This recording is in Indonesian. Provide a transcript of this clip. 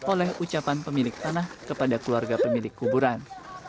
oleh ucapan pemilik tanah kepada keluarga pemilik kuburan